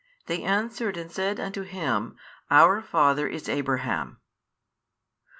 39 They answered and said unto Him, Our father is Abraham.